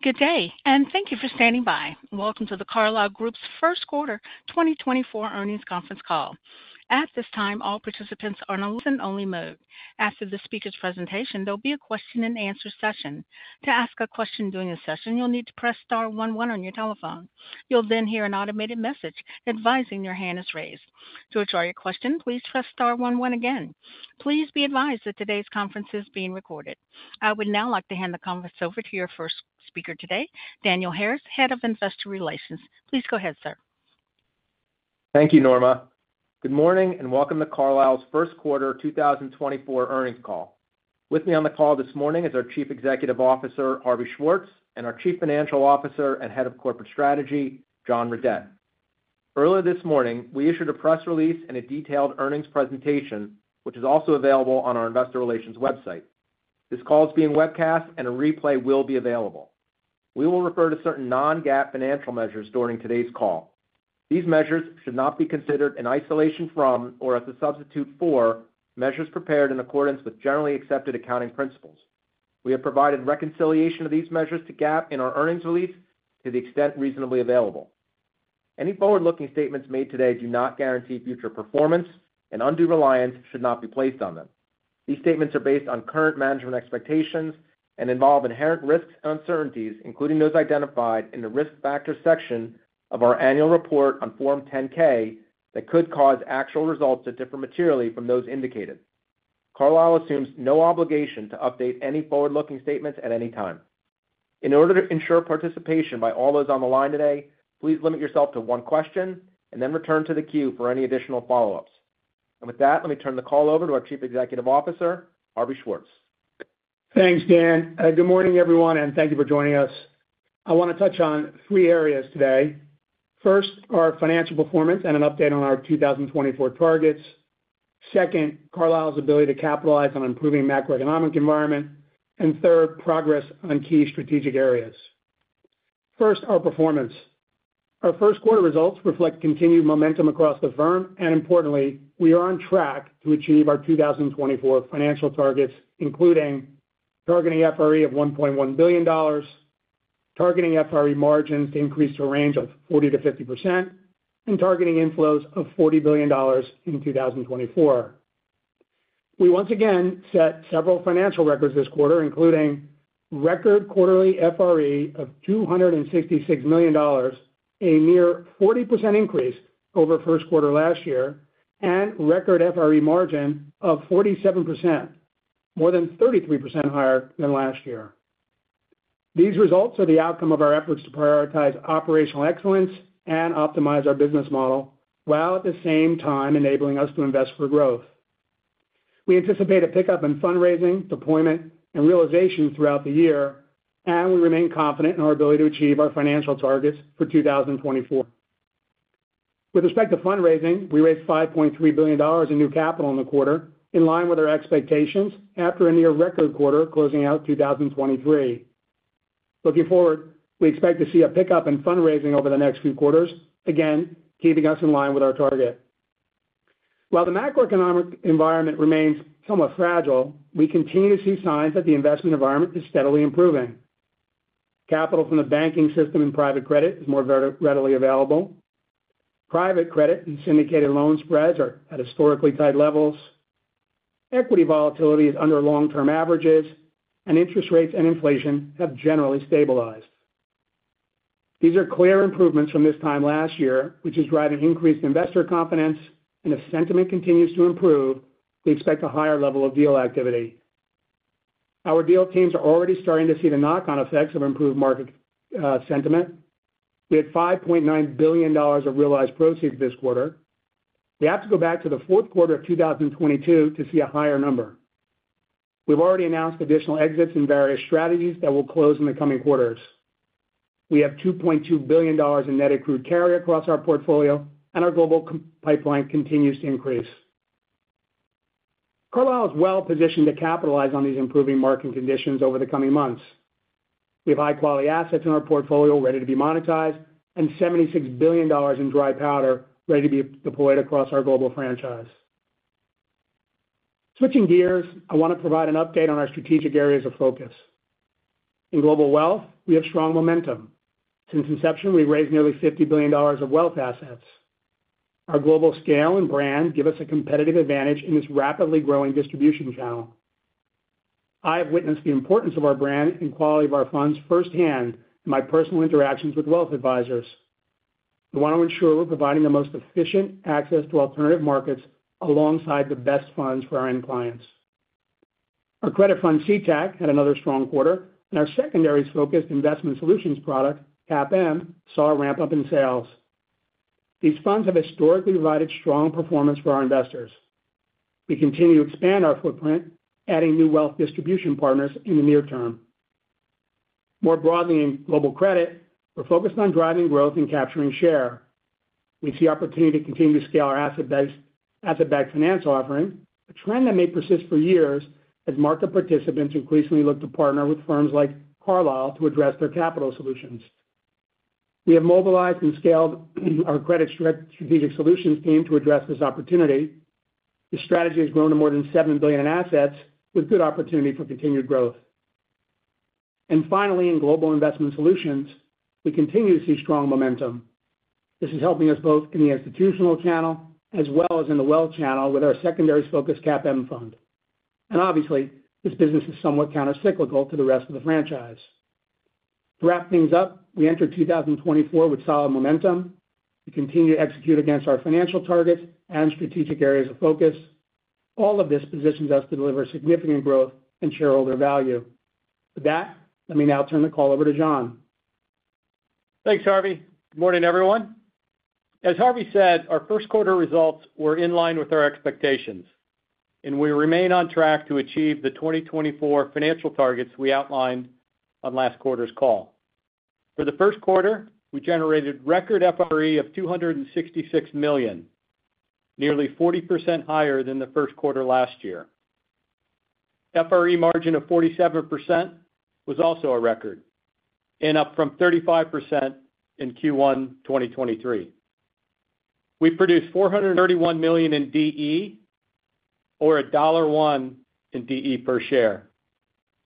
Good day, and thank you for standing by. Welcome to The Carlyle Group's Q1 2024 earnings conference call. At this time, all participants are in a listen-only mode. After the speaker's presentation, there'll be a question-and-answer session. To ask a question during the session, you'll need to press star 11 on your telephone. You'll then hear an automated message advising your hand is raised. To return your question, please press star 11 again. Please be advised that today's conference is being recorded. I would now like to hand the conference over to your first speaker today, Daniel Harris, Head of Investor Relations. Please go ahead, sir. Thank you, Norma. Good morning and welcome to Carlyle's Q1 2024 earnings call. With me on the call this morning is our Chief Executive Officer, Harvey Schwartz, and our Chief Financial Officer and Head of Corporate Strategy, John Redett. Earlier this morning, we issued a press release and a detailed earnings presentation, which is also available on our Investor Relations website. This call is being webcast, and a replay will be available. We will refer to certain non-GAAP financial measures during today's call. These measures should not be considered in isolation from or as a substitute for measures prepared in accordance with generally accepted accounting principles. We have provided reconciliation of these measures to GAAP in our earnings release to the extent reasonably available. Any forward-looking statements made today do not guarantee future performance, and undue reliance should not be placed on them. These statements are based on current management expectations and involve inherent risks and uncertainties, including those identified in the risk factors section of our annual report on Form 10-K that could cause actual results that differ materially from those indicated. Carlyle assumes no obligation to update any forward-looking statements at any time. In order to ensure participation by all those on the line today, please limit yourself to one question and then return to the queue for any additional follow-ups. With that, let me turn the call over to our Chief Executive Officer, Harvey Schwartz. Thanks, Dan. Good morning, everyone, and thank you for joining us. I want to touch on three areas today. First, our financial performance and an update on our 2024 targets. Second, Carlyle's ability to capitalize on improving the macroeconomic environment. And third, progress on key strategic areas. First, our performance. Our Q1 results reflect continued momentum across the firm. Importantly, we are on track to achieve our 2024 financial targets, including targeting an FRE of $1.1 billion, targeting FRE margins to increase to a range of 40%-50%, and targeting inflows of $40 billion in 2024. We once again set several financial records this quarter, including record quarterly FRE of $266 million, a near 40% increase over Q1 last year, and record FRE margin of 47%, more than 33% higher than last year. These results are the outcome of our efforts to prioritize operational excellence and optimize our business model while at the same time enabling us to invest for growth. We anticipate a pickup in fundraising, deployment, and realization throughout the year, and we remain confident in our ability to achieve our financial targets for 2024. With respect to fundraising, we raised $5.3 billion in new capital in the quarter, in line with our expectations after a near record quarter closing out 2023. Looking forward, we expect to see a pickup in fundraising over the next few quarters, again, keeping us in line with our target. While the macroeconomic environment remains somewhat fragile, we continue to see signs that the investment environment is steadily improving. Capital from the banking system and private credit is more readily available. Private credit and syndicated loan spreads are at historically tight levels. Equity volatility is under long-term averages, and interest rates and inflation have generally stabilized. These are clear improvements from this time last year, which is driving increased investor confidence. If sentiment continues to improve, we expect a higher level of deal activity. Our deal teams are already starting to see the knock-on effects of improved market sentiment. We had $5.9 billion of realized proceeds this quarter. We have to go back to the Q4 of 2022 to see a higher number. We've already announced additional exits in various strategies that will close in the coming quarters. We have $2.2 billion in net accrued carry across our portfolio, and our global pipeline continues to increase. Carlyle is well positioned to capitalize on these improving market conditions over the coming months. We have high-quality assets in our portfolio ready to be monetized and $76 billion in dry powder ready to be deployed across our global franchise. Switching gears, I want to provide an update on our strategic areas of focus. In Global Wealth, we have strong momentum. Since inception, we raised nearly $50 billion of wealth assets. Our global scale and brand give us a competitive advantage in this rapidly growing distribution channel. I have witnessed the importance of our brand and quality of our funds firsthand in my personal interactions with wealth advisors. We want to ensure we're providing the most efficient access to alternative markets alongside the best funds for our end clients. Our credit fund, CTAC, had another strong quarter, and our secondaries-focused investment Solutions product, CAPM, saw a ramp-up in sales. These funds have historically provided strong performance for our investors. We continue to expand our footprint, adding new wealth distribution partners in the near term. More broadly in Global Credit, we're focused on driving growth and capturing share. We see opportunity to continue to scale our asset-backed finance offering, a trend that may persist for years as market participants increasingly look to partner with firms like Carlyle to address their capital Solutions. We have mobilized and scaled our Credit Strategic Solutions team to address this opportunity. The strategy has grown to more than $7 billion in assets, with good opportunity for continued growth. And finally, in Global Investment Solutions, we continue to see strong momentum. This is helping us both in the institutional channel as well as in the wealth channel with our secondaries-focused CAPM fund. And obviously, this business is somewhat countercyclical to the rest of the franchise. To wrap things up, we entered 2024 with solid momentum. We continue to execute against our financial targets and strategic areas of focus. All of this positions us to deliver significant growth and shareholder value. With that, let me now turn the call over to John. Thanks, Harvey. Good morning, everyone. As Harvey said, our Q1 results were in line with our expectations, and we remain on track to achieve the 2024 financial targets we outlined on last quarter's call. For the Q1, we generated record FRE of $266 million, nearly 40% higher than the Q1 last year. FRE margin of 47% was also a record, and up from 35% in Q1 2023. We produced $431 million in DE, or $1.01 in DE per share,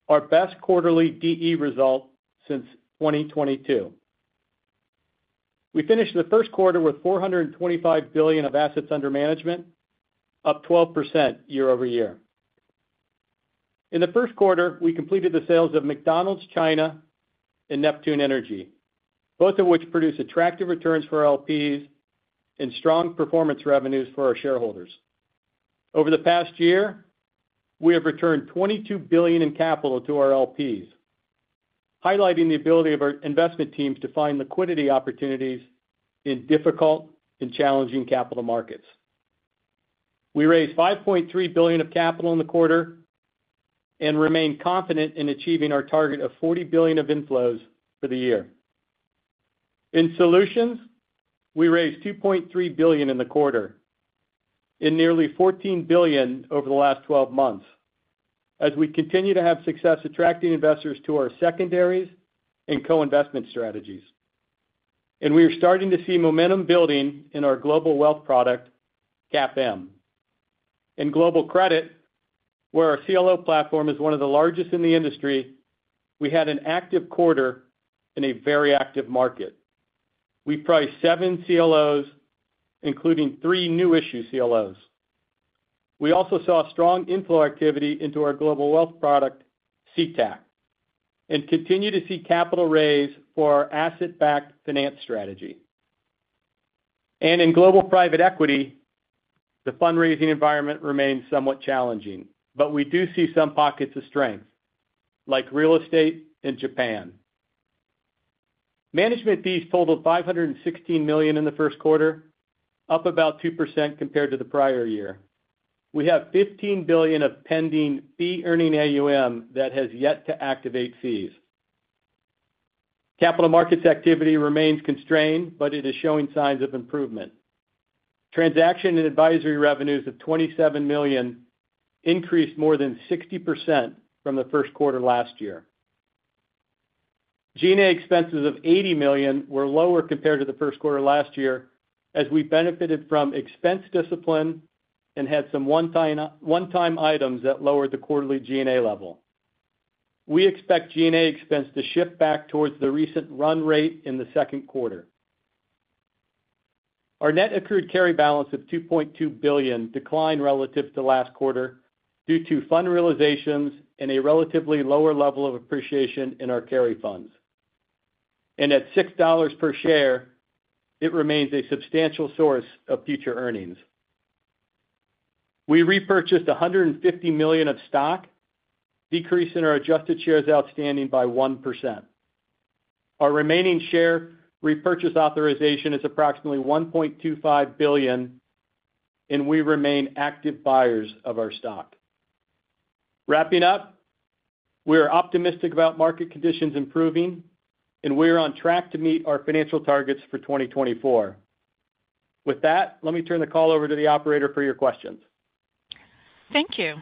our best quarterly DE result since 2022. We finished the Q1 with $425 billion of assets under management, up 12% year-over-year. In the Q1, we completed the sales of McDonald's China and Neptune Energy, both of which produced attractive returns for our LPs and strong performance revenues for our shareholders. Over the past year, we have returned $22 billion in capital to our LPs, highlighting the ability of our investment teams to find liquidity opportunities in difficult and challenging capital markets. We raised $5.3 billion of capital in the quarter and remain confident in achieving our target of $40 billion of inflows for the year. In Solutions, we raised $2.3 billion in the quarter, raising nearly $14 billion over the last 12 months, as we continue to have success attracting investors to our secondaries and co-investment strategies. And we are starting to see momentum building in our Global Wealth product, CAPM. In Global Credit, where our CLO platform is one of the largest in the industry, we had an active quarter in a very active market. We priced seven CLOs, including three new-issue CLOs. We also saw strong inflow activity into our Global Wealth product, CTAC, and continue to see capital raised for our asset-backed finance strategy. In Global Private Equity, the fundraising environment remains somewhat challenging, but we do see some pockets of strength, like real estate in Japan. Management fees totaled $516 million in the Q1, up about 2% compared to the prior year. We have $15 billion of pending fee-earning AUM that has yet to activate fees. Capital markets activity remains constrained, but it is showing signs of improvement. Transaction and advisory revenues of $27 million increased more than 60% from the Q1 last year. G&A expenses of $80 million were lower compared to the Q1 last year, as we benefited from expense discipline and had some one-time items that lowered the quarterly G&A level. We expect G&A expense to shift back towards the recent run rate in the Q2. Our net accrued carry balance of $2.2 billion declined relative to last quarter due to fund realizations and a relatively lower level of appreciation in our carry funds. At $6 per share, it remains a substantial source of future earnings. We repurchased $150 million of stock, decreasing our adjusted shares outstanding by 1%. Our remaining share repurchase authorization is approximately $1.25 billion, and we remain active buyers of our stock. Wrapping up, we are optimistic about market conditions improving, and we are on track to meet our financial targets for 2024. With that, let me turn the call over to the operator for your questions. Thank you.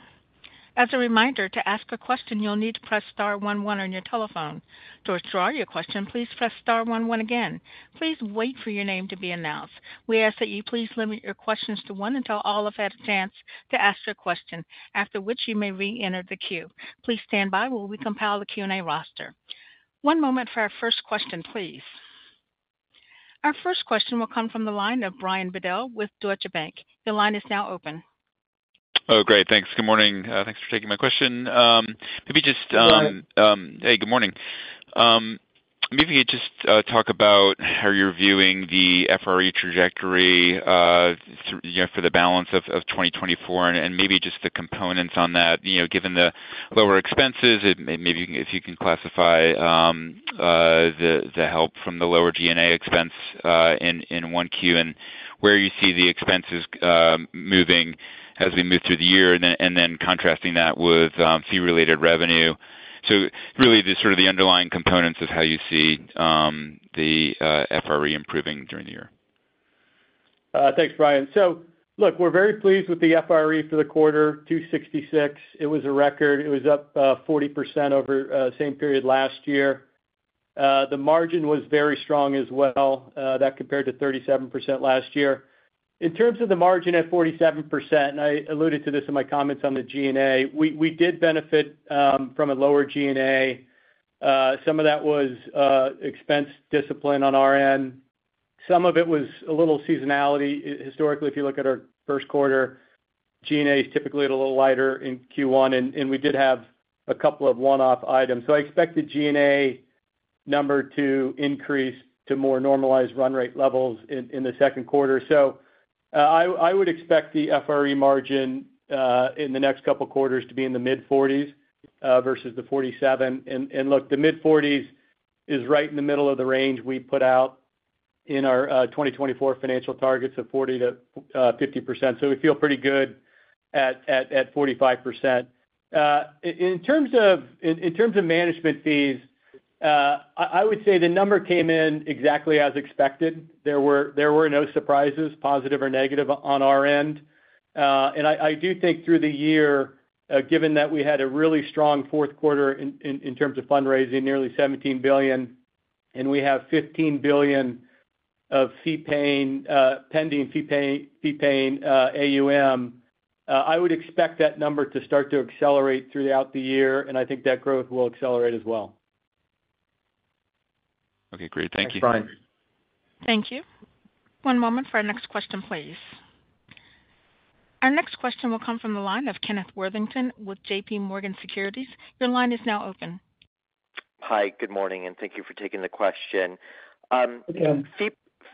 As a reminder, to ask a question, you'll need to press star 11 on your telephone. To withdraw your question, please press star 11 again. Please wait for your name to be announced. We ask that you please limit your questions to one until all have had a chance to ask your question, after which you may reenter the queue. Please stand by while we compile the Q&A roster. One moment for our first question, please. Our first question will come from the line of Brian Bedell with Deutsche Bank. The line is now open. Oh, great. Thanks. Good morning. Thanks for taking my question. Maybe just. Go ahead. Hey, good morning. Maybe you could just talk about how you're viewing the FRE trajectory for the balance of 2024 and maybe just the components on that. Given the lower expenses, maybe if you can classify the help from the lower G&A expense in one Q and where you see the expenses moving as we move through the year, and then contrasting that with fee-related revenue. So really, these are sort of the underlying components of how you see the FRE improving during the year. Thanks, Brian. So look, we're very pleased with the FRE for the quarter, $266. It was a record. It was up 40% over the same period last year. The margin was very strong as well. That compared to 37% last year. In terms of the margin at 47%, and I alluded to this in my comments on the G&A, we did benefit from a lower G&A. Some of that was expense discipline on our end. Some of it was a little seasonality. Historically, if you look at our Q1, G&A is typically a little lighter in Q1, and we did have a couple of one-off items. So I expected G&A number to increase to more normalized run rate levels in the Q2. So I would expect the FRE margin in the next couple of quarters to be in the mid-40s% versus the 47%. Look, the mid-40s is right in the middle of the range we put out in our 2024 financial targets of 40%-50%. So we feel pretty good at 45%. In terms of management fees, I would say the number came in exactly as expected. There were no surprises, positive or negative, on our end. I do think through the year, given that we had a really strong Q4 in terms of fundraising, nearly $17 billion, and we have $15 billion of pending fee-paying AUM, I would expect that number to start to accelerate throughout the year, and I think that growth will accelerate as well. Okay. Great. Thank you. Thanks, Brian. Thank you. One moment for our next question, please. Our next question will come from the line of Kenneth Worthington with JPMorgan Securities. Your line is now open. Hi. Good morning. Thank you for taking the question.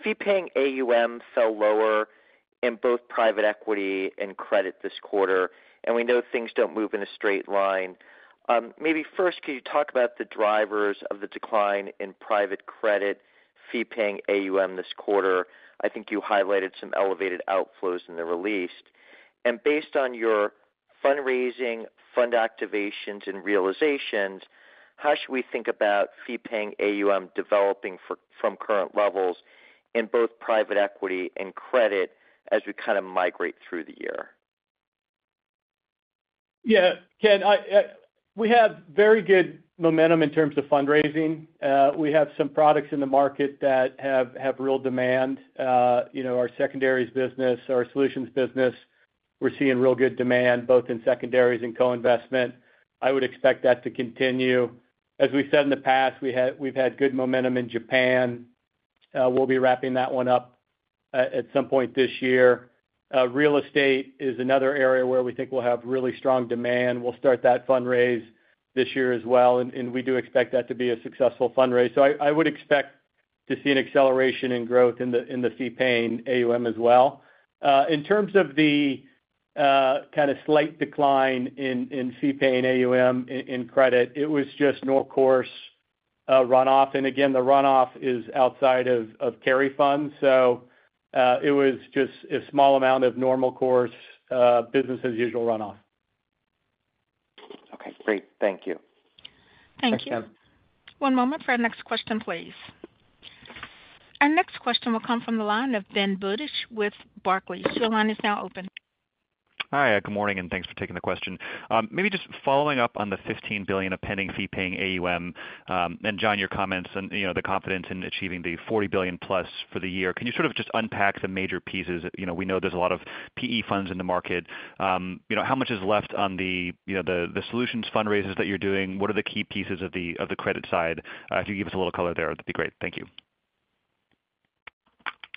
Fee-paying AUM fell lower in both private equity and credit this quarter, and we know things don't move in a straight line. Maybe first, could you talk about the drivers of the decline in private credit fee-paying AUM this quarter? I think you highlighted some elevated outflows in the release. And based on your fundraising, fund activations, and realizations, how should we think about fee-paying AUM developing from current levels in both private equity and credit as we kind of migrate through the year? Yeah, Ken, we have very good momentum in terms of fundraising. We have some products in the market that have real demand. Our secondaries business, our Solutions business, we're seeing real good demand both in secondaries and co-investment. I would expect that to continue. As we've said in the past, we've had good momentum in Japan. We'll be wrapping that one up at some point this year. Real estate is another area where we think we'll have really strong demand. We'll start that fundraise this year as well, and we do expect that to be a successful fundraise. So I would expect to see an acceleration in growth in the fee-paying AUM as well. In terms of the kind of slight decline in fee-paying AUM in credit, it was just normal course runoff. And again, the runoff is outside of carry funds. It was just a small amount of noncore business-as-usual runoff. Okay. Great. Thank you. Thank you. Thanks, Ken. One moment for our next question, please. Our next question will come from the line of Ben Budish with Barclays. Your line is now open. Hi. Good morning. Thanks for taking the question. Maybe just following up on the $15 billion of pending fee-paying AUM and John, your comments and the confidence in achieving the $40 billion plus for the year. Can you sort of just unpack the major pieces? We know there's a lot of PE funds in the market. How much is left on the Solutions fundraises that you're doing? What are the key pieces of the credit side? If you could give us a little color there, that'd be great. Thank you.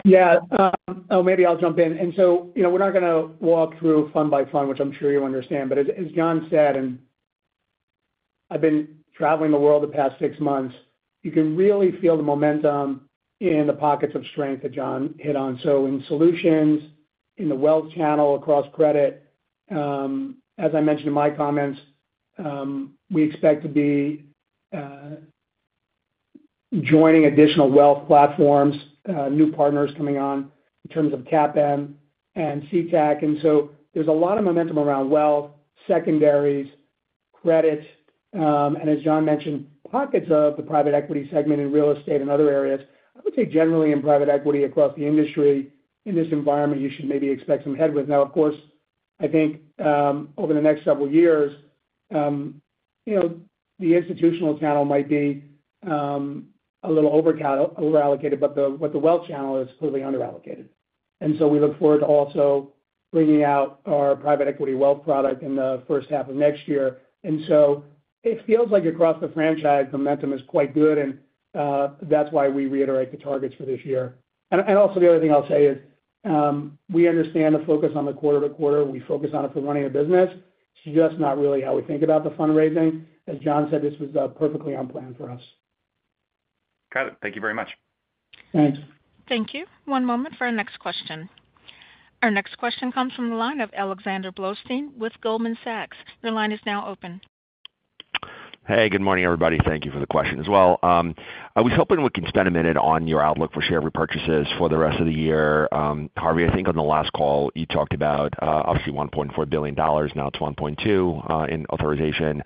Yeah. Oh, maybe I'll jump in. So we're not going to walk through fund by fund, which I'm sure you understand. But as John said, and I've been traveling the world the past six months, you can really feel the momentum in the pockets of strength that John hit on. So in Solutions, in the wealth channel across credit, as I mentioned in my comments, we expect to be joining additional wealth platforms, new partners coming on in terms of CAPM and CTAC. And so there's a lot of momentum around wealth, secondaries, credit, and as John mentioned, pockets of the private equity segment in real estate and other areas. I would say generally in private equity across the industry, in this environment, you should maybe expect some headwinds. Now, of course, I think over the next several years, the institutional channel might be a little overallocated, but what the wealth channel is clearly underallocated. And so we look forward to also bringing out our private equity wealth product in the first half of next year. And so it feels like across the franchise, momentum is quite good, and that's why we reiterate the targets for this year. And also the other thing I'll say is we understand the focus on the quarter-to-quarter. We focus on it for running a business. It's just not really how we think about the fundraising. As John said, this was perfectly on plan for us. Got it. Thank you very much. Thanks. Thank you. One moment for our next question. Our next question comes from the line of Alexander Blostein with Goldman Sachs. Your line is now open. Hey. Good morning, everybody. Thank you for the question as well. I was hoping we can spend a minute on your outlook for share repurchases for the rest of the year. Harvey, I think on the last call, you talked about obviously $1.4 billion. Now it's $1.2 in authorization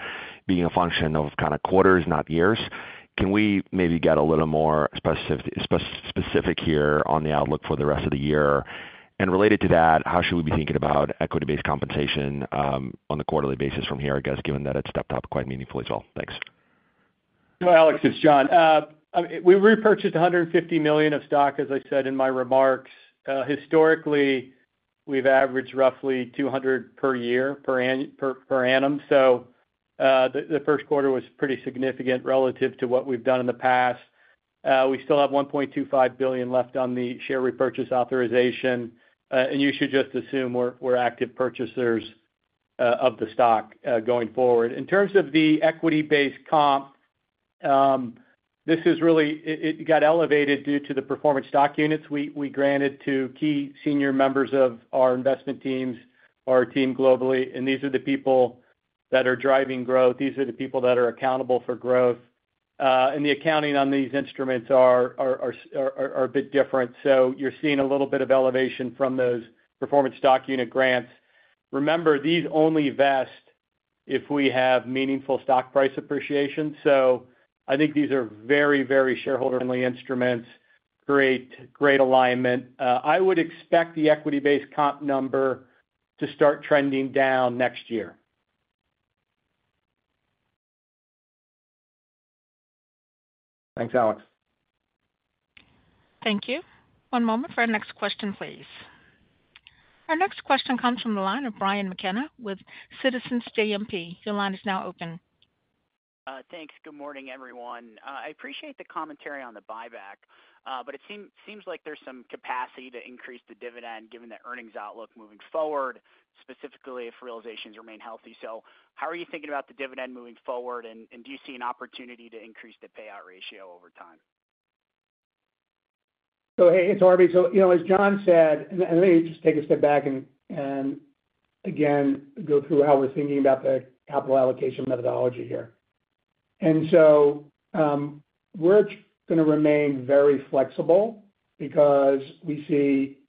being a function of kind of quarters, not years. Can we maybe get a little more specific here on the outlook for the rest of the year? And related to that, how should we be thinking about equity-based compensation on the quarterly basis from here, I guess, given that it stepped up quite meaningfully as well? Thanks. Hello, Alex. It's John. We repurchased $150 million of stock, as I said in my remarks. Historically, we've averaged roughly $200 million per year per annum. So the Q1 was pretty significant relative to what we've done in the past. We still have $1.25 billion left on the share repurchase authorization. You should just assume we're active purchasers of the stock going forward. In terms of the equity-based comp, this has really got elevated due to the Performance Stock Units we granted to key senior members of our investment teams, our team globally. These are the people that are driving growth. These are the people that are accountable for growth. The accounting on these instruments are a bit different. So you're seeing a little bit of elevation from those Performance Stock Unit grants. Remember, these only vest if we have meaningful stock price appreciation. I think these are very, very shareholder-friendly instruments, create great alignment. I would expect the equity-based comp number to start trending down next year. Thanks, Alex. Thank you. One moment for our next question, please. Our next question comes from the line of Brian McKenna with Citizens JMP. Your line is now open. Thanks. Good morning, everyone. I appreciate the commentary on the buyback, but it seems like there's some capacity to increase the dividend given the earnings outlook moving forward, specifically if realizations remain healthy. So how are you thinking about the dividend moving forward, and do you see an opportunity to increase the payout ratio over time? So hey, it's Harvey. So as John said, and let me just take a step back and again go through how we're thinking about the capital allocation methodology here. And so we're going to remain very flexible because we see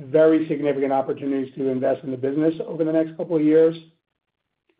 very significant opportunities to invest in the business over the next couple of years.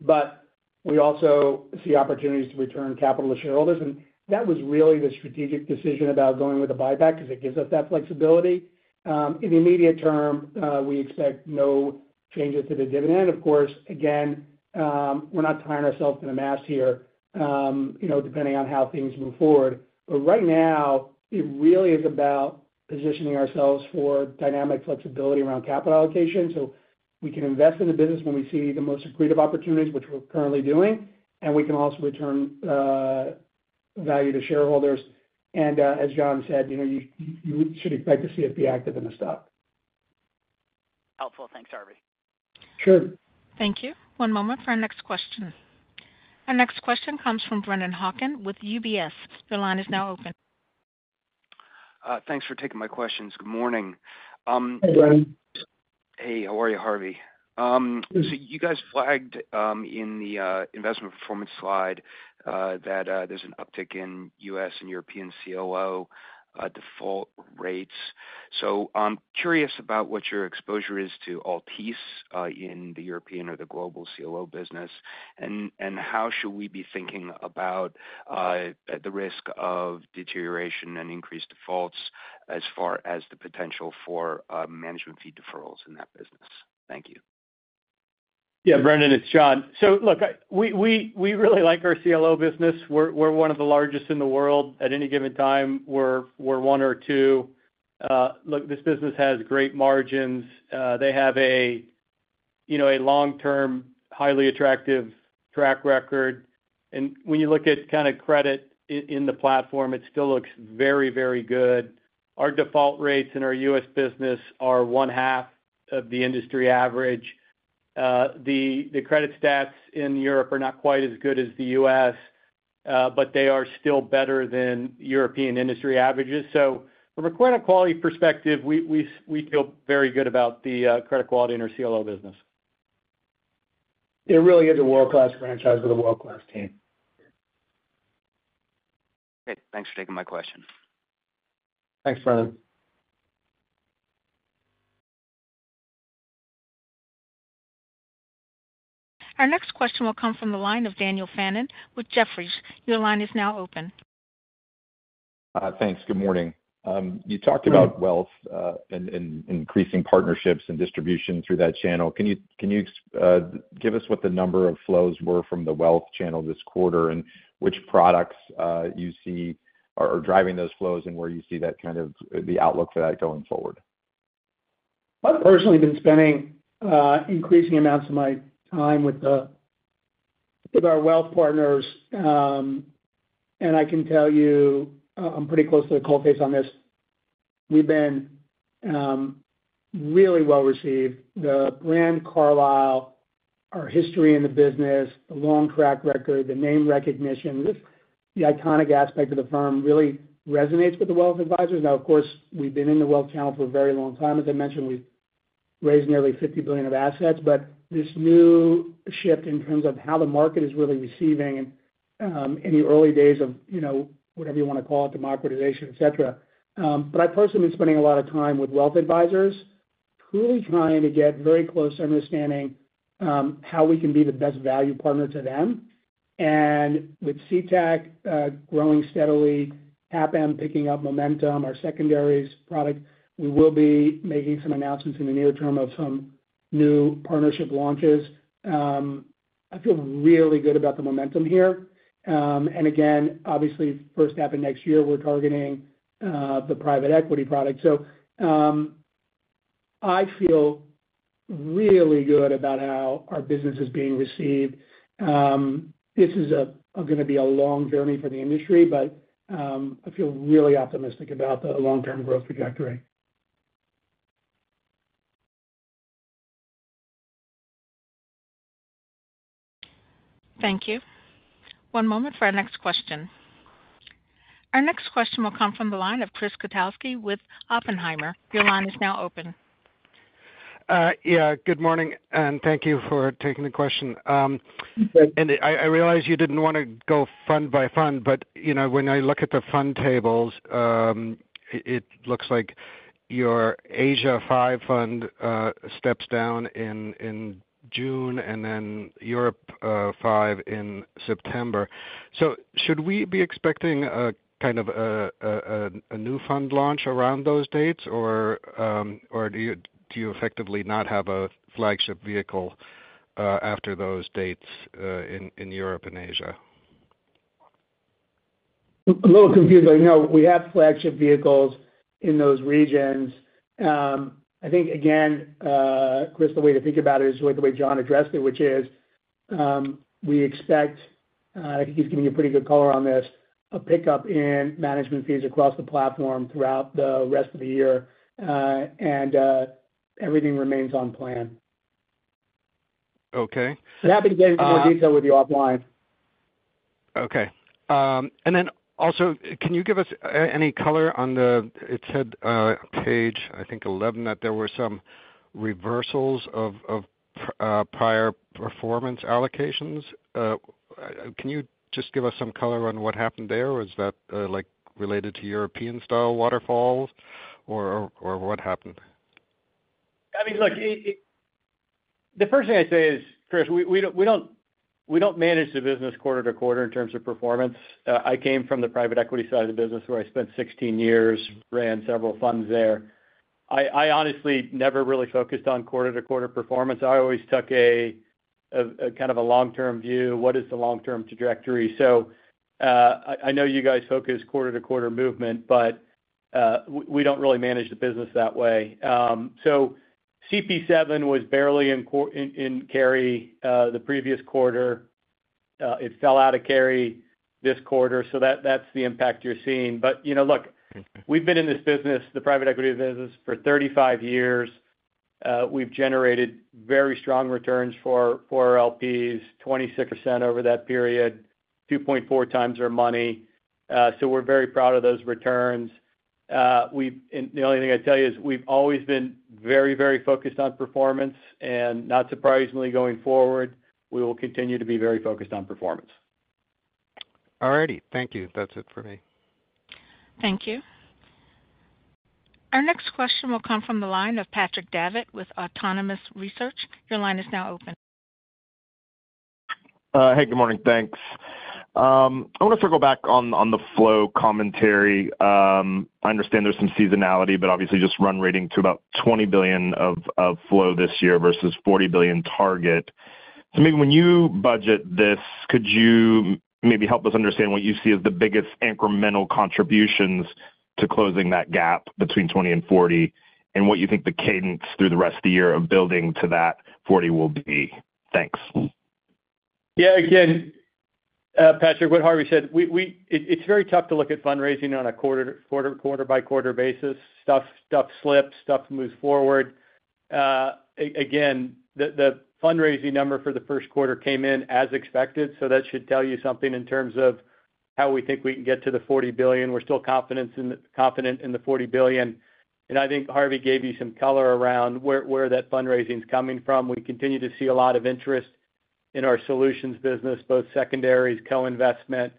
But we also see opportunities to return capital to shareholders. And that was really the strategic decision about going with a buyback because it gives us that flexibility. In the immediate term, we expect no changes to the dividend. Of course, again, we're not tying ourselves to the mast here depending on how things move forward. But right now, it really is about positioning ourselves for dynamic flexibility around capital allocation. So we can invest in the business when we see the most accretive opportunities, which we're currently doing. We can also return value to shareholders. As John said, you should expect to see it be active in the stock. Helpful. Thanks, Harvey. Sure. Thank you. One moment for our next question. Our next question comes from Brennan Hawken with UBS. Your line is now open. Thanks for taking my questions. Good morning. Hey, Brendan. Hey. How are you, Harvey? So you guys flagged in the investment performance slide that there's an uptick in U.S. and European CLO default rates. So I'm curious about what your exposure is to Altice in the European or the global CLO business, and how should we be thinking about the risk of deterioration and increased defaults as far as the potential for management fee deferrals in that business? Thank you. Yeah, Brennan. It's John. So look, we really like our CLO business. We're one of the largest in the world. At any given time, we're one or two. Look, this business has great margins. They have a long-term, highly attractive track record. And when you look at kind of credit in the platform, it still looks very, very good. Our default rates in our U.S. business are one-half of the industry average. The credit stats in Europe are not quite as good as the U.S., but they are still better than European industry averages. So from a credit quality perspective, we feel very good about the credit quality in our CLO business. It really is a world-class franchise with a world-class team. Great. Thanks for taking my question. Thanks, Brendan. Our next question will come from the line of Daniel Fannon with Jefferies. Your line is now open. Thanks. Good morning. You talked about wealth and increasing partnerships and distribution through that channel. Can you give us what the number of flows were from the wealth channel this quarter and which products you see are driving those flows and where you see the outlook for that going forward? I've personally been spending increasing amounts of my time with our wealth partners. And I can tell you I'm pretty close to the coalface on this. We've been really well received. The brand Carlyle, our history in the business, the long track record, the name recognition, the iconic aspect of the firm really resonates with the wealth advisors. Now, of course, we've been in the wealth channel for a very long time. As I mentioned, we've raised nearly $50 billion of assets. But this new shift in terms of how the market is really receiving and in the early days of whatever you want to call it, democratization, etc. But I've personally been spending a lot of time with wealth advisors, truly trying to get very close understanding how we can be the best value partner to them. With CTAC growing steadily, CAPM picking up momentum, our secondaries product, we will be making some announcements in the near term of some new partnership launches. I feel really good about the momentum here. And again, obviously, first half of next year, we're targeting the private equity product. So I feel really good about how our business is being received. This is going to be a long journey for the industry, but I feel really optimistic about the long-term growth trajectory. Thank you. One moment for our next question. Our next question will come from the line of Chris Kotowski with Oppenheimer. Your line is now open. Yeah. Good morning. Thank you for taking the question. I realize you didn't want to go fund by fund, but when I look at the fund tables, it looks like your Asia 5 fund steps down in June and then Europe 5 in September. So should we be expecting kind of a new fund launch around those dates, or do you effectively not have a flagship vehicle after those dates in Europe and Asia? A little confused. I know we have flagship vehicles in those regions. I think, again, Chris, the way to think about it is the way John addressed it, which is we expect - and I think he's giving you pretty good color on this - a pickup in management fees across the platform throughout the rest of the year, and everything remains on plan. Okay. I'd be happy to get into more detail with you offline. Okay. And then also, can you give us any color on page 11, I think, it said that there were some reversals of prior performance allocations? Can you just give us some color on what happened there? Was that related to European-style waterfalls or what happened? I mean, look, the first thing I'd say is, Chris, we don't manage the business quarter-to-quarter in terms of performance. I came from the private equity side of the business where I spent 16 years, ran several funds there. I honestly never really focused on quarter-to-quarter performance. I always took kind of a long-term view. What is the long-term trajectory? So I know you guys focus quarter-to-quarter movement, but we don't really manage the business that way. So CP7 was barely in carry the previous quarter. It fell out of carry this quarter. So that's the impact you're seeing. But look, we've been in this business, the private equity business, for 35 years. We've generated very strong returns for our LPs, 26% over that period, 2.4 times our money. So we're very proud of those returns. The only thing I'd tell you is we've always been very, very focused on performance. Not surprisingly, going forward, we will continue to be very focused on performance. All righty. Thank you. That's it for me. Thank you. Our next question will come from the line of Patrick Davitt with Autonomous Research. Your line is now open. Hey. Good morning. Thanks. I want to circle back on the flow commentary. I understand there's some seasonality, but obviously, just run rate to about $20 billion of flow this year versus $40 billion target. So maybe when you budgeted this, could you maybe help us understand what you see as the biggest incremental contributions to closing that gap between 20 and 40 and what you think the cadence through the rest of the year of building to that 40 will be? Thanks. Yeah. Again, Patrick, what Harvey said, it's very tough to look at fundraising on a quarter-by-quarter basis. Stuff slips. Stuff moves forward. Again, the fundraising number for the Q1 came in as expected. So that should tell you something in terms of how we think we can get to the $40 billion. We're still confident in the $40 billion. And I think Harvey gave you some color around where that fundraising's coming from. We continue to see a lot of interest in our Solutions business, both secondaries, co-investment.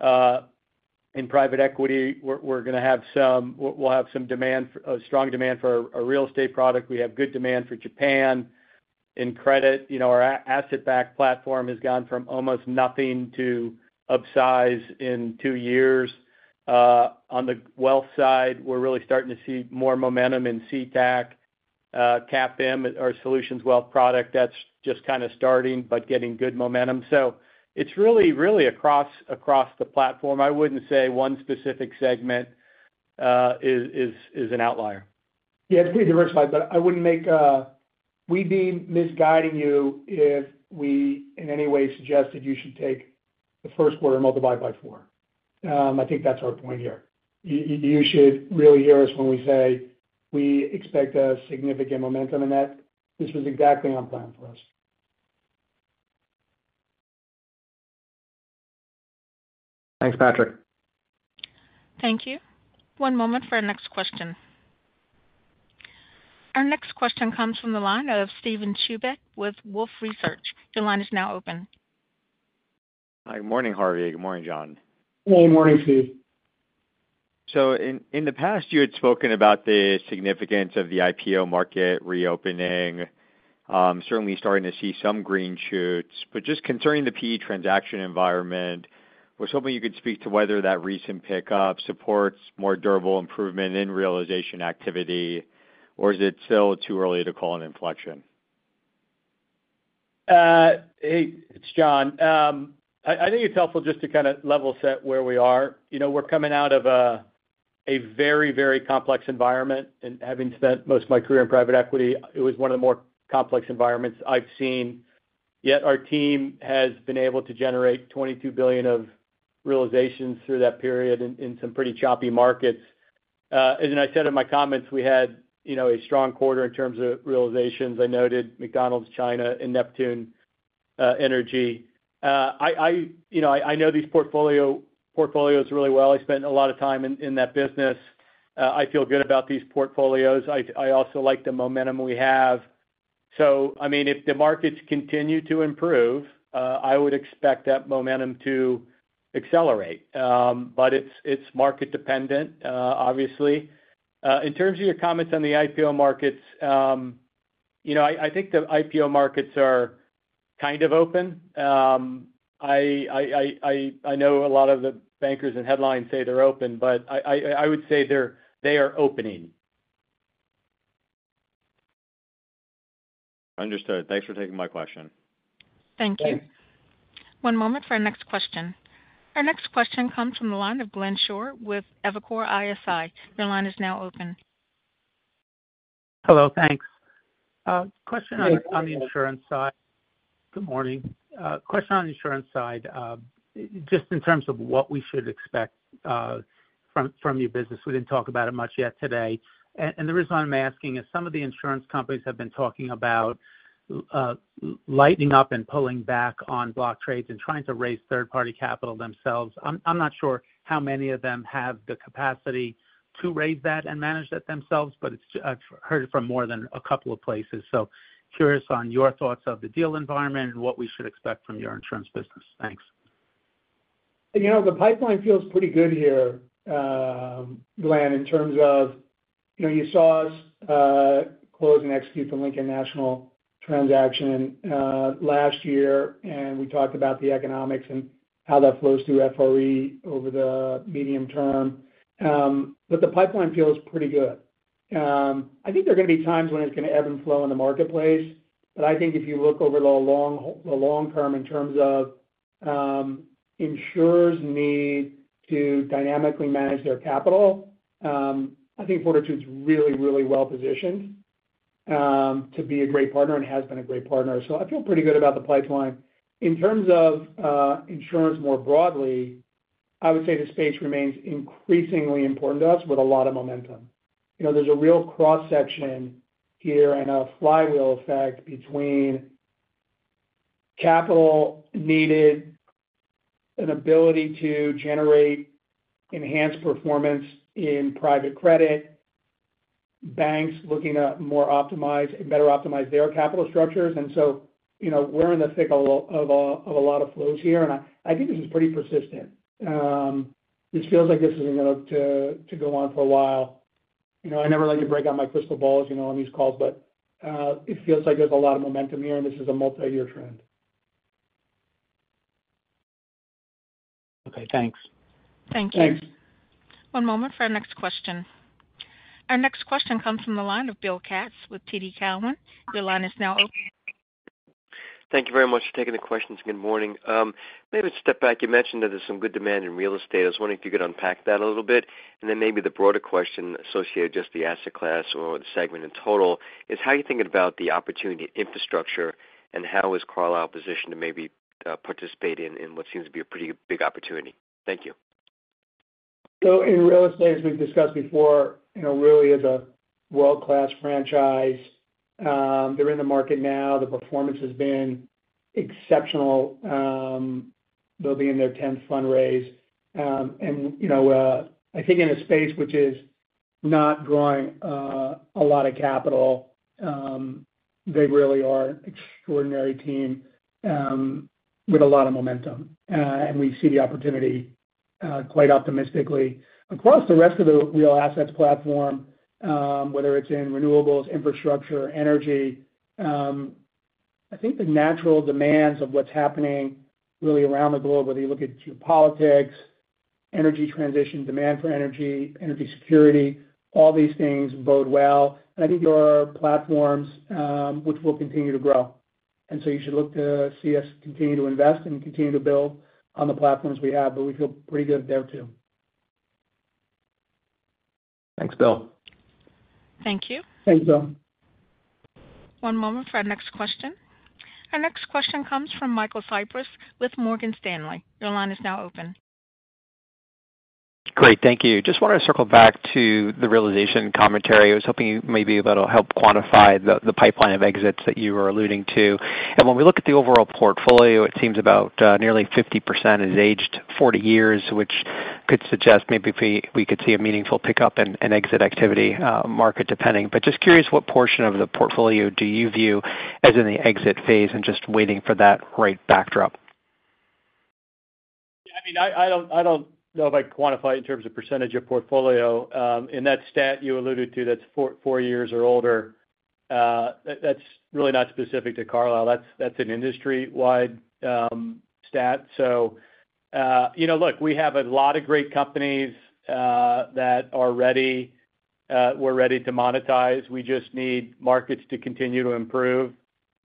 In private equity, we'll have some strong demand for a real estate product. We have good demand for Japan. In credit, our asset-backed platform has gone from almost nothing to upsize in two years. On the wealth side, we're really starting to see more momentum in CTAC. CAPM, our Solutions wealth product, that's just kind of starting but getting good momentum. So it's really across the platform. I wouldn't say one specific segment is an outlier. Yeah. It's pretty diversified, but I wouldn't say we'd be misguiding you if we in any way suggested you should take the Q1 multiplied by 4. I think that's our point here. You should really hear us when we say we expect significant momentum, and this was exactly on plan for us. Thanks, Patrick. Thank you. One moment for our next question. Our next question comes from the line of Steven Chubak with Wolfe Research. Your line is now open. Hi. Good morning, Harvey. Good morning, John. Hey. Good morning, Steve. In the past, you had spoken about the significance of the IPO market reopening, certainly starting to see some green shoots. Just concerning the PE transaction environment, I was hoping you could speak to whether that recent pickup supports more durable improvement in realization activity, or is it still too early to call an inflection? Hey. It's John. I think it's helpful just to kind of level set where we are. We're coming out of a very, very complex environment. Having spent most of my career in private equity, it was one of the more complex environments I've seen. Yet our team has been able to generate $22 billion of realizations through that period in some pretty choppy markets. As I said in my comments, we had a strong quarter in terms of realizations. I noted McDonald's China and Neptune Energy. I know these portfolios really well. I spent a lot of time in that business. I feel good about these portfolios. I also like the momentum we have. So I mean, if the markets continue to improve, I would expect that momentum to accelerate. But it's market-dependent, obviously. In terms of your comments on the IPO markets, I think the IPO markets are kind of open. I know a lot of the bankers and headlines say they're open, but I would say they are opening. Understood. Thanks for taking my question. Thank you. One moment for our next question. Our next question comes from the line of Glenn Schorr with Evercore ISI. Your line is now open. Hello. Thanks. Question on the insurance side. Good morning. Question on the insurance side, just in terms of what we should expect from your business. We didn't talk about it much yet today. And the reason why I'm asking is some of the insurance companies have been talking about lightening up and pulling back on block trades and trying to raise third-party capital themselves. I'm not sure how many of them have the capacity to raise that and manage that themselves, but I've heard it from more than a couple of places. So, curious on your thoughts of the deal environment and what we should expect from your insurance business. Thanks. The pipeline feels pretty good here, Glenn, in terms of you saw us close and execute the Lincoln National transaction last year, and we talked about the economics and how that flows through FRE over the medium term. But the pipeline feels pretty good. I think there are going to be times when it's going to ebb and flow in the marketplace. But I think if you look over the long term in terms of insurers' need to dynamically manage their capital, I think Fortitude's really, really well positioned to be a great partner and has been a great partner. So I feel pretty good about the pipeline. In terms of insurance more broadly, I would say the space remains increasingly important to us with a lot of momentum. There's a real cross-section here and a flywheel effect between capital needed, an ability to generate enhanced performance in private credit, banks looking to better optimize their capital structures. And so we're in the thick of a lot of flows here. And I think this is pretty persistent. This feels like this isn't going to go on for a while. I never like to break out my crystal balls on these calls, but it feels like there's a lot of momentum here, and this is a multi-year trend. Okay. Thanks. Thank you. Thanks. One moment for our next question. Our next question comes from the line of Bill Katz with TD Cowen. Your line is now open. Thank you very much for taking the questions. Good morning. Maybe step back. You mentioned that there's some good demand in real estate. I was wondering if you could unpack that a little bit. Then maybe the broader question associated with just the asset class or the segment in total is how you're thinking about the opportunity infrastructure and how is Carlyle positioned to maybe participate in what seems to be a pretty big opportunity? Thank you. So in real estate, as we've discussed before, really is a world-class franchise. They're in the market now. The performance has been exceptional. They'll be in their 10th fundraise. And I think in a space which is not drawing a lot of capital, they really are an extraordinary team with a lot of momentum. And we see the opportunity quite optimistically. Across the rest of the real assets platform, whether it's in renewables, infrastructure, energy, I think the natural demands of what's happening really around the globe, whether you look at geopolitics, energy transition, demand for energy, energy security, all these things bode well. And I think there are platforms which will continue to grow. And so you should look to see us continue to invest and continue to build on the platforms we have. But we feel pretty good there too. Thanks, Bill. Thank you. Thanks, Bill. One moment for our next question. Our next question comes from Michael Cyprys with Morgan Stanley. Your line is now open. Great. Thank you. Just wanted to circle back to the realization commentary. I was hoping maybe that'll help quantify the pipeline of exits that you were alluding to. When we look at the overall portfolio, it seems about nearly 50% is aged 40 years, which could suggest maybe we could see a meaningful pickup in exit activity market, depending. But just curious, what portion of the portfolio do you view as in the exit phase and just waiting for that right backdrop? Yeah. I mean, I don't know if I quantify it in terms of percentage of portfolio. In that stat you alluded to, that's four years or older, that's really not specific to Carlyle. That's an industry-wide stat. So look, we have a lot of great companies that are ready. We're ready to monetize. We just need markets to continue to improve.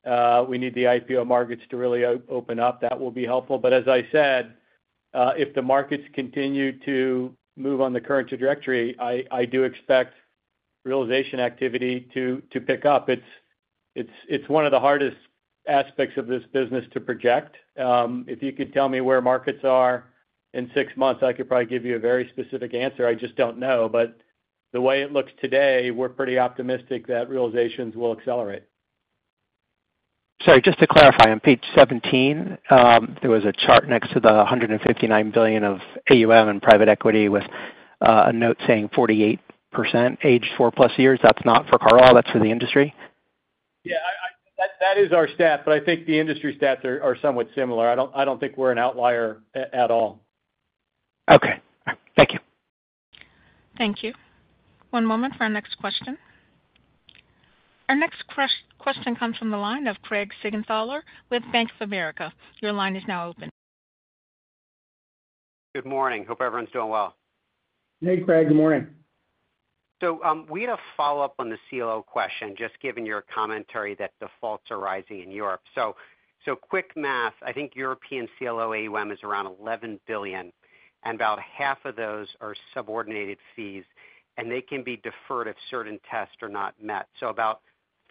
We need the IPO markets to really open up. That will be helpful. But as I said, if the markets continue to move on the current trajectory, I do expect realization activity to pick up. It's one of the hardest aspects of this business to project. If you could tell me where markets are in six months, I could probably give you a very specific answer. I just don't know. But the way it looks today, we're pretty optimistic that realizations will accelerate. Sorry. Just to clarify, on page 17, there was a chart next to the $159 billion of AUM in private equity with a note saying 48% aged 4+ years. That's not for Carlyle. That's for the industry. Yeah. That is our stat. But I think the industry stats are somewhat similar. I don't think we're an outlier at all. Okay. Thank you. Thank you. One moment for our next question. Our next question comes from the line of Craig Siegenthaler with Bank of America. Your line is now open. Good morning. Hope everyone's doing well. Hey, Craig. Good morning. So we had a follow-up on the CLO question just given your commentary that defaults are rising in Europe. Quick math. I think European CLO AUM is around $11 billion, and about half of those are subordinated fees, and they can be deferred if certain tests are not met.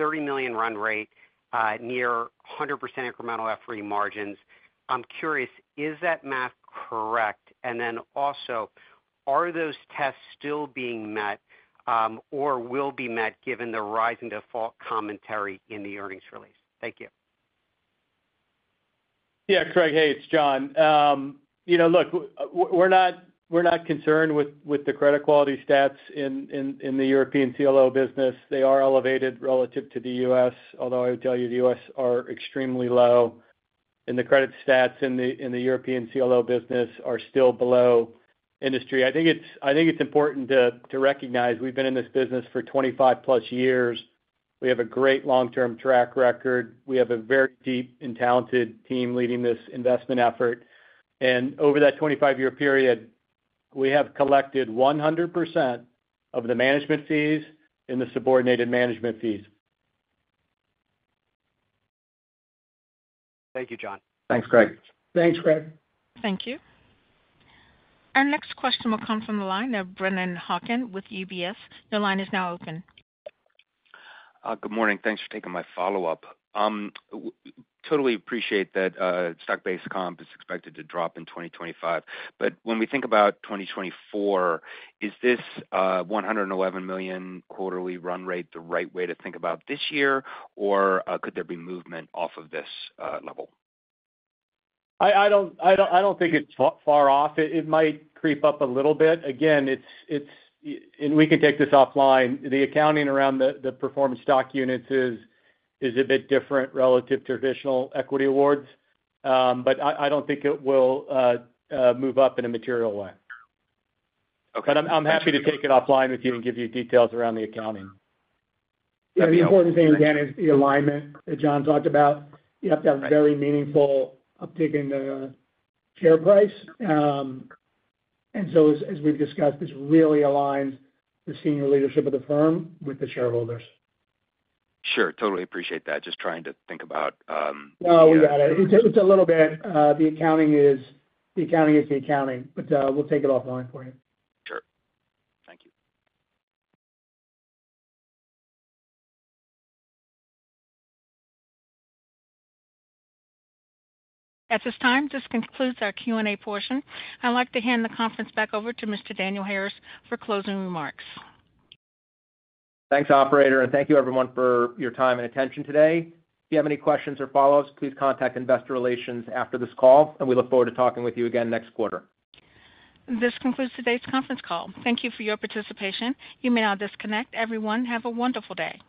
About $30 million run rate, near 100% incremental FRE margins. I'm curious, is that math correct? And then also, are those tests still being met or will be met given the rising default commentary in the earnings release? Thank you. Yeah. Craig. Hey. It's John. Look, we're not concerned with the credit quality stats in the European CLO business. They are elevated relative to the US, although I would tell you the US are extremely low, and the credit stats in the European CLO business are still below industry. I think it's important to recognize we've been in this business for 25+ years. We have a great long-term track record. We have a very deep and talented team leading this investment effort. And over that 25-year period, we have collected 100% of the management fees in the subordinated management fees. Thank you, John. Thanks, Craig. Thanks, Craig. Thank you. Our next question will come from the line of Brennan Hawken with UBS. Your line is now open. Good morning. Thanks for taking my follow-up. Totally appreciate that stock-based comp is expected to drop in 2025. But when we think about 2024, is this $111 million quarterly run rate the right way to think about this year, or could there be movement off of this level? I don't think it's far off. It might creep up a little bit. Again, and we can take this offline, the accounting around the Performance Stock Units is a bit different relative to traditional equity awards. But I don't think it will move up in a material way. But I'm happy to take it offline with you and give you details around the accounting. Yeah. The important thing, again, is the alignment that John talked about. You have to have very meaningful uptick in the share price. And so as we've discussed, this really aligns the senior leadership of the firm with the shareholders. Sure. Totally appreciate that. Just trying to think about. No, we got it. It's a little bit the accounting is the accounting. But we'll take it offline for you. Sure. Thank you. At this time, this concludes our Q&A portion. I'd like to hand the conference back over to Mr. Daniel Harris for closing remarks. Thanks, operator. Thank you, everyone, for your time and attention today. If you have any questions or follow-ups, please contact Investor Relations after this call. We look forward to talking with you again next quarter. This concludes today's conference call. Thank you for your participation. You may now disconnect. Everyone, have a wonderful day.